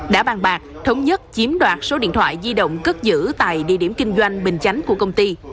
đã bàn bạc thống nhất chiếm đoạt số điện thoại di động cất giữ tại địa điểm kinh doanh bình chánh của công ty